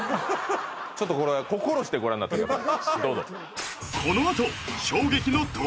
ちょっとこれ心してご覧になってください